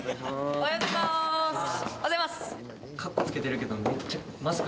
おはようございます。